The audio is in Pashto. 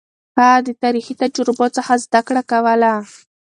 هغه د تاريخي تجربو څخه زده کړه کوله.